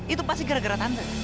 itu pasti gara gara tante